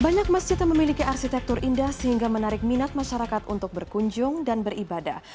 banyak masjid yang memiliki arsitektur indah sehingga menarik minat masyarakat untuk berkunjung dan beribadah